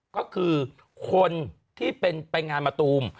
ก็คือคนที่เป็นไปงานมะตูม